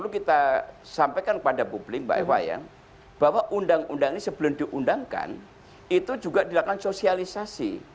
perlu kita sampaikan kepada publik mbak eva ya bahwa undang undang ini sebelum diundangkan itu juga dilakukan sosialisasi